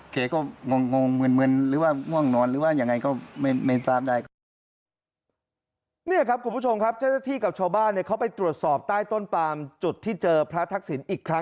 เขาก็เงินหรือว่าง่วงนอนหรือว่าอย่างไรก็ไม่ตามได้